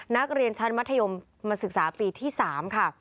นักเรียนชั้นมัธยมมาศึกษาปีที่๓ค่ะ